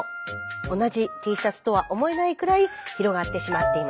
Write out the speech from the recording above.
同じＴシャツとは思えないくらい広がってしまっています。